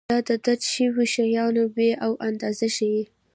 دا د درج شویو شیانو بیې او اندازې ښيي.